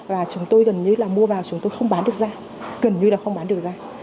và chúng tôi gần như mua vào chúng tôi không bán được ra